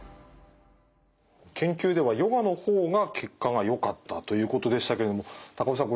研究ではヨガの方が結果がよかったということでしたけども高尾さん